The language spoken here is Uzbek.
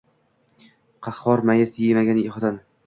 Qahxor, Mayiz yemagan xotin